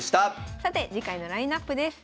さて次回のラインナップです。